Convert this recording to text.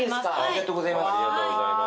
ありがとうございます。